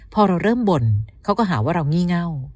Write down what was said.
พอเราเริ่มบ่นเขาก็หาว่าเรางี่เง่า